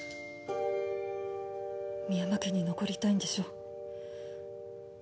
深山家に残りたいんでしょ？